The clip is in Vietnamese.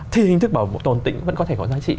thì hình thức bảo tồn tĩnh vẫn có thể có giá trị